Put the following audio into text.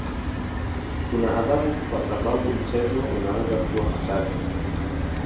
Kuna adhabu kwa sababu mchezo unaweza kuwa hatari.